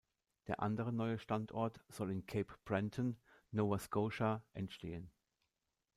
Der andere neue Standort soll in Cape Brenton, Nova Scotia entstehen.